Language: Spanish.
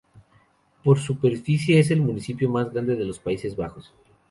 Por superficie es el municipio más grande de los Países Bajos.